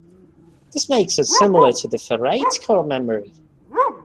This makes it similar to the ferrite core memory.